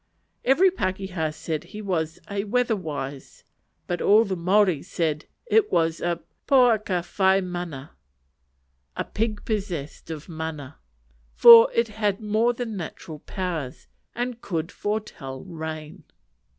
Every pakeha said he was "weather wise;" but all the Maori said it was a "poaka whai mana," a pig possessed of mana; for it had more than natural powers, and could foretell rain.